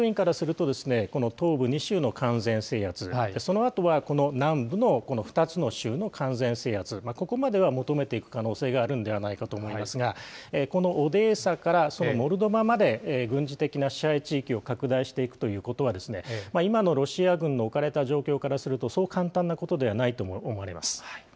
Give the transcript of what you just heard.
優先順位からすると、この東部２州の完全制圧、そのあとはこの南部の２つの州の完全制圧、ここまでは求めていく可能性があるんではないかと思いますが、このオデーサからモルドバまで軍事的な支配地域を拡大していくということは、今のロシア軍の置かれた状況からすると、そう簡単なことではないとも思われます。